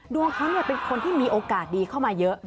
ดวงเขาเป็นคนที่มีโอกาสดีเข้ามาเยอะ